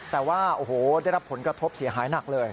แต่ว่าโอ้โหได้รับผลกระทบเสียหายหนักเลย